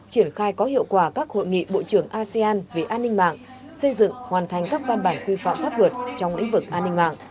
triển khai có hiệu quả các hội nghị bộ trưởng asean về an ninh mạng xây dựng hoàn thành các văn bản quy phạm pháp luật trong lĩnh vực an ninh mạng